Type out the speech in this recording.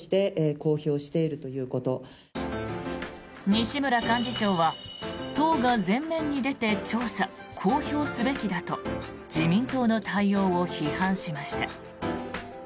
西村幹事長は、党が前面に出て調査・公表すべきだと自民党の対応を批判しました。